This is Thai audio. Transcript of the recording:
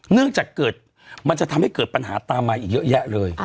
เนื่องจากเกิดมันจะทำให้เกิดปัญหาตามมาอีกเยอะแยะเลย